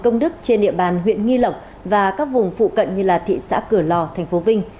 công đức trên địa bàn huyện nghi lộc và các vùng phụ cận như thị xã cửa lò thành phố vinh